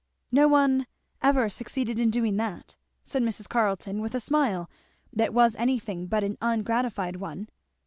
"No one ever succeeded in doing that," said Mrs. Carleton, with a smile that was anything but an ungratified one.